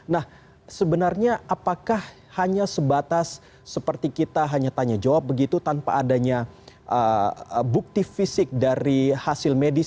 nah sebenarnya apakah hanya sebatas seperti kita hanya tanya jawab begitu tanpa adanya bukti fisik dari hasil medis